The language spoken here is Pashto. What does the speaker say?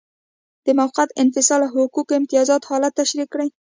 د موقت انفصال او حقوقو او امتیازاتو حالت تشریح کړئ.